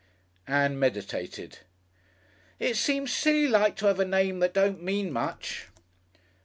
Ann meditated. "It seems silly like to 'ave a name that don't mean much."